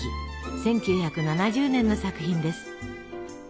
１９７０年の作品です。